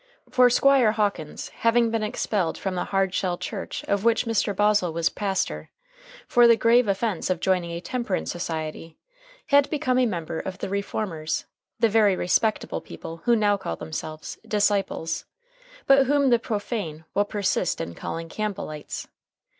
For Squire Hawkins, having been expelled from the "Hardshell" church of which Mr. Bosaw was pastor, for the grave offense of joining a temperance society, had become a member of the "Reformers," the very respectable people who now call themselves "Disciples," but whom the profane will persist in calling "Campbellites."